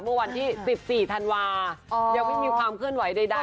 เมื่อวันที่๑๔ธันวายังไม่มีความเคลื่อนไหวใด